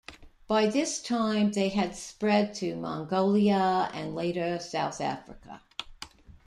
By this time they had spread to Mongolia and, later, South Africa.